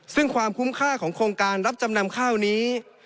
ซึ่งความคุ้มค่าของโครงการรับจำนำข้าวนี้